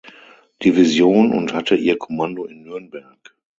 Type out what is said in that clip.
Division und hatte ihr Kommando in Nürnberg.